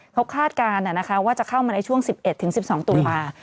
เพราะคาดการณ์ว่าจะเข้ามาในช่วง๑๑ถึง๑๒ตุลวา